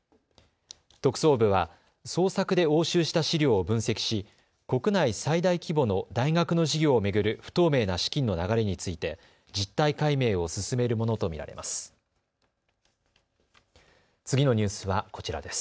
特捜部は捜索で押収した資料を分析し国内最大規模の大学の事業を巡る不透明な資金の流れについて実態解明を進めるものと見られます。